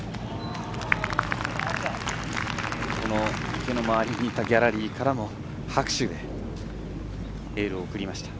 池の周りにいたギャラリーからも拍手でエールを送りました。